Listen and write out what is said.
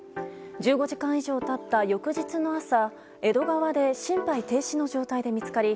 １５時間以上経った翌日の朝江戸川で心肺停止の状態で見つかり